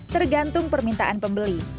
tergantung permintaan pembeli